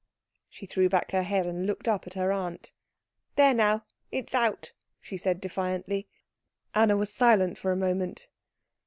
She threw back her head and looked up at her aunt. "There now, it's out," she said defiantly. Anna was silent for a moment.